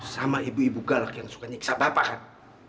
sama ibu ibu galak yang suka nyiksa bapak kan